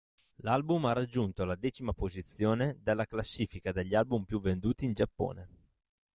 L'album ha raggiunto la decima posizione della classifica degli album più venduti in Giappone.